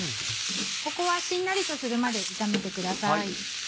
ここはしんなりとするまで炒めてください。